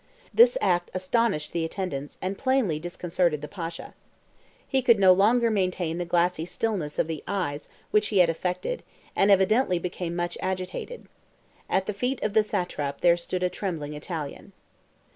This act astonished the attendants, and plainly disconcerted the Pasha. He could no longer maintain the glassy stillness of the eyes which he had affected, and evidently became much agitated. At the feet of the satrap there stood a trembling Italian.